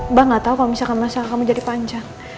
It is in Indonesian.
mbak gak tau kalo misalkan masalah kamu jadi panjang